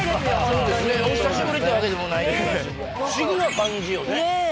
そうですねお久しぶりってわけでもないですし不思議な感じよねねえ